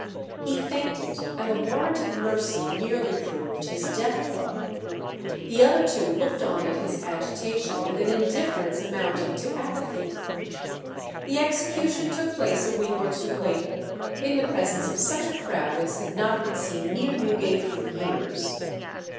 He fainted, and the warrant of mercy nearly proved his death blow. The other two looked on at his agitation with an indifference amounting to apathy. The execution took place a week or two later, in the presence of such a crowd as had not been seen near Newgate for years.